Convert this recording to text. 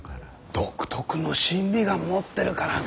独特の審美眼持ってるからね。